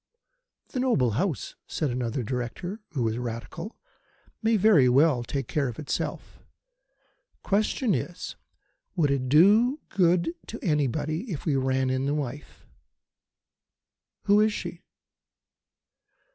"The noble House," said another Director, who was Radical, "may very well take care of itself. Question is, Would it do any good to anybody if we ran in the wife?" "Who is she?"